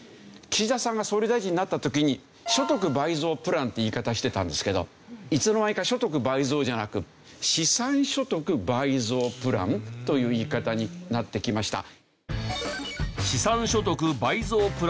岸田さんが総理大臣になった時に所得倍増プランって言い方してたんですけどいつの間にか所得倍増じゃなく資産所得倍増プランという言い方になってきました。